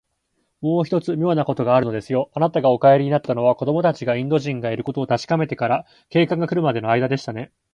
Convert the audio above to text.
もう一つ、みょうなことがあるのですよ。あなたがお帰りになったのは、子どもたちがインド人がいることをたしかめてから、警官がくるまでのあいだでしたね。